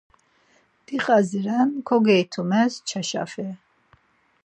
Dixaziren, kogoytumers çaşafi